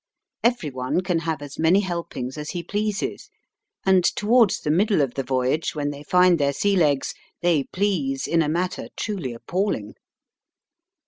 Every one can have as many helpings as he pleases, and towards the middle of the voyage, when they find their sea legs, they please in a manner truly appalling.